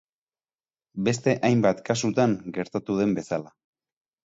Beste hainbat kasutan gertatu den bezala.